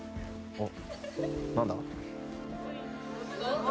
あっ。